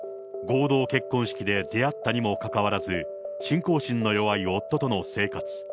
合同結婚式で出会ったにもかかわらず、信仰心の弱い夫との生活。